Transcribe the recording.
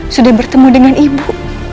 sudah bertemu dengan ibu